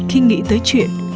khi nghĩ tới chuyện